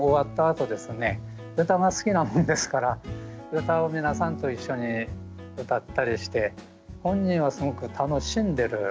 歌が好きなもんですから歌を皆さんと一緒に歌ったりして本人はすごく楽しんでる感じですね。